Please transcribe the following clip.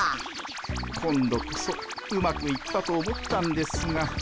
今度こそうまくいったと思ったんですが。